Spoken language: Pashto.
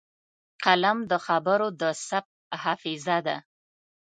قلم د خبرو د ثبت حافظه ده